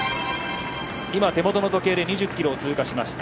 手元の時計で２０キロを通過しました。